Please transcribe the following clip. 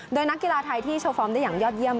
โดยนักกีฬาไทยที่โชว์ฟอร์มได้อย่างยอดเยี่ยม